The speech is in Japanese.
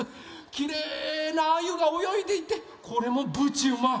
きれいなアユがおよいでいてこれもぶちうまい！